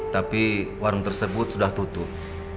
tapi warung tersebut sudah tutup